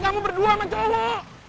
kamu berdua sama cowok